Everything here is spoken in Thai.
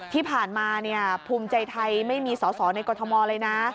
ที่ผ่านมาภูมิใจไทยไม่มีสอสอในกรทมเลยนะ